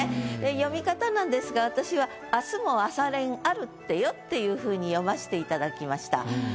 読み方なんですが私は「明日も朝練あるってよ」っていうふうに読ましていただきました。